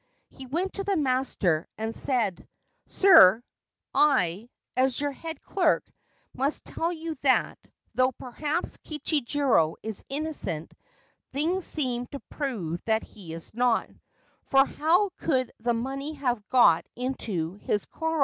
He went to the master and said : c Sir, I, as your head clerk, must tell you that, though perhaps Kichijiro is innocent, things seem to prove that he is not, for how could the money have got into his koro ?